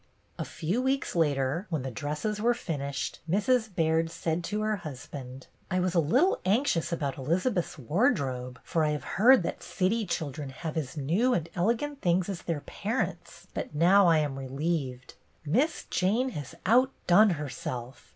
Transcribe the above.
'" A few weeks later, when the dresses were finished, Mrs. Baird said to her husband, —" I was a little anxious about Elizabeth's wardrobe, for I have heard that city children have as new and elegant things as their parents, but now I am relieved. Miss Jane has outdone herself.